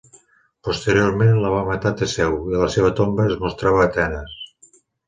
Posteriorment la va matar Teseu, i la seva tomba es mostrava a Atenes.